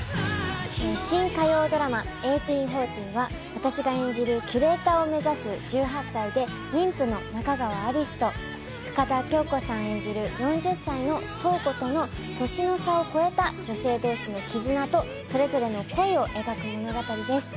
新火曜ドラマ「１８／４０」は私が演じるキュレーターを目指す１８歳で妊婦の仲川有栖と深田恭子さん演じる４０歳の瞳子との年の差を超えた女性同士の絆とそれぞれの恋を描く物語です